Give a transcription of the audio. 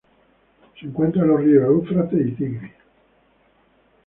Se encuentra en los ríos Éufrates y Tigris.